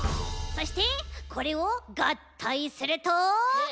そしてこれをがったいすると。